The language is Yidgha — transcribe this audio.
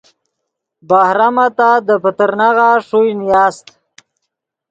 بہرامہ تات دے پترناغہ ݰوئے نیاست